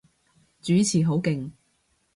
主持好勁